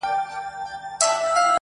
كه څه هم په دار وځړوو